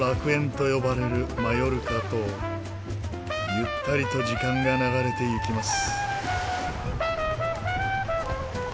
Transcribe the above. ゆったりと時間が流れていきます。